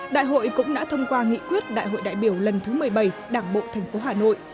đại hội cũng đã thông qua nghị quyết đại hội đại biểu lần thứ một mươi bảy đảng bộ thành phố hà nội